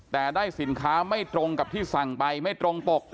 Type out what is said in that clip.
แต่ได้สินค้าไม่ตรงกับที่สั่งไปไม่ตรงปก